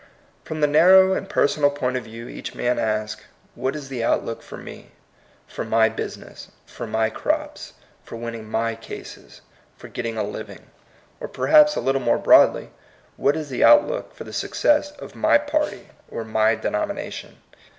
From the narrow and per sonal point of view, each man asks. What is the outlook for me, for my business, for my crops, for winning my cases, for getting a living? or perhaps a little more broadly, What is the outlook for the success of my party or my denomination?